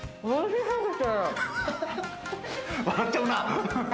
笑っちゃうな。